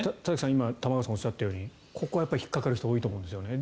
今、玉川さんがおっしゃったようにここに引っかかる人は多いと思うんですね。